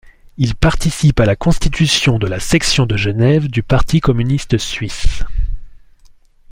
Il participe à la constitution de la section de Genève du Parti communiste suisse.